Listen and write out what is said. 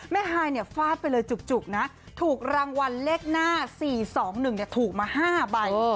ฮายฟาดไปเลยจุกนะถูกรางวัลเลขหน้า๔๒๑ถูกมา๕ใบ